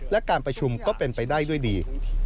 และการประชุมก็เป็นไปได้ด้วยดี